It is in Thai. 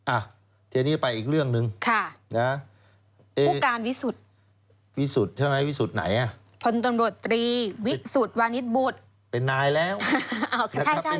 อ้าวทีนี้ไปอีกเรื่องหนึ่ง